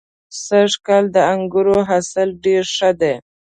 سږ کال د انګورو حاصل ډېر ښه دی.